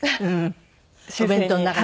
お弁当の中に？